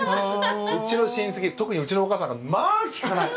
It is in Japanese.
うちの親戚特にうちのお母さんなんかまあ聞かない。